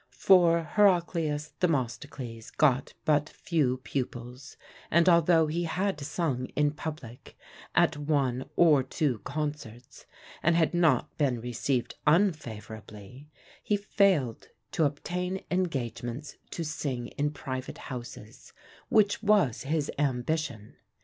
For Heraclius Themistocles got but few pupils, and although he had sung in public at one or two concerts, and had not been received unfavourably, he failed to obtain engagements to sing in private houses, which was his ambition.